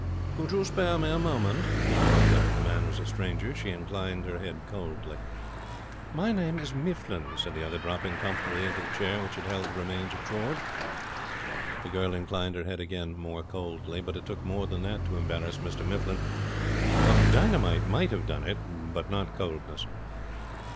'Could you spare me a moment?' The girl looked up. The man was a stranger. She inclined her head coldly. 'My name is Mifflin,' said the other, dropping comfortably into the chair which had held the remains of George. The girl inclined her head again more coldly; but it took more than that to embarrass Mr Mifflin. Dynamite might have done it, but not coldness.